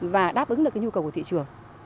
và đáp ứng được cái nhu cầu của thị trường